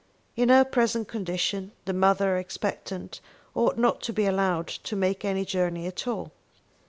In her present condition, the mother expectant ought not to be allowed to make any journey at all.